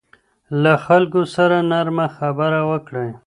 له خلکو سره نرمه خبره وکړئ.